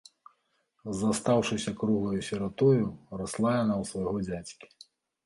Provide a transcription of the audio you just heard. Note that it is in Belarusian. Застаўшыся круглаю сіратою, расла яна ў свайго дзядзькі.